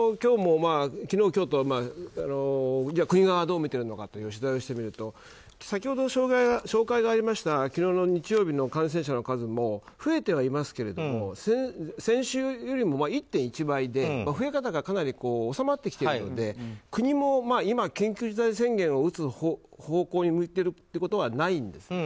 昨日、今日と国がどう見ているのか取材してみると先ほど紹介がありました昨日の日曜日の感染者の数も増えてはいますが先週よりも１．１倍で増え方がかなり収まってきているので国も今、緊急事態宣言を打つ方向に向いているということはないんです。